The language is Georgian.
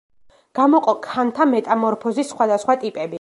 გამოყო ქანთა მეტამორფიზმის სხვადასხვა ტიპები.